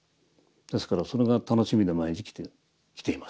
「ですからそれが楽しみで毎日来ています」と。